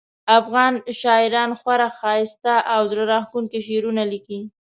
افغان شاعران خورا ښایسته او زړه راښکونکي شعرونه لیکي